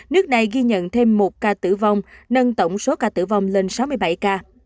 nước này ghi nhận thêm một ca tử vong nâng tổng số ca tử vong lên sáu mươi bảy ca